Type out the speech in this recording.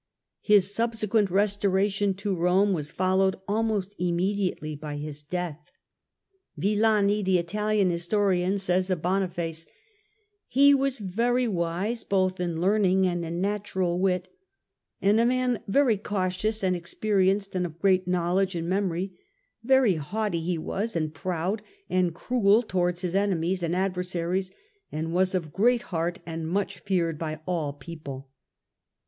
His subsequent restoration to Eome was followed almost immediately by his death. (See chapter iii., for details of this.) Villani, the Italian historian says of Boniface :" He was very wise both in learning and in natural wit, and a man very cautious and experienced and of great knowledge and memory ; very haughty he was, and proud, and cruel towards his enemies and ad versaries, and was of great heart and much feared by all people